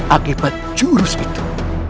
akibat jurus itu